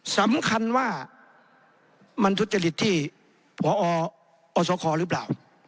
สำคัญว่ามันทุจริตที่พออสคหรือเปล่า